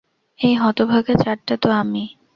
এই হতভাগা চাঁদটা তো আমি।